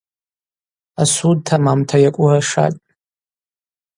Асуд тамамта йакӏвуыршатӏ.